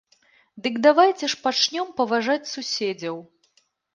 Дык давайце ж пачнём паважаць суседзяў.